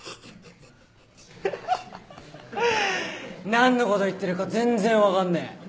何のこと言ってるか全然分かんねえ。